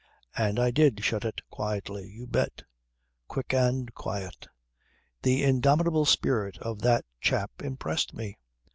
And I did shut it quietly you bet. Quick and quiet. The indomitable spirit of that chap impressed me.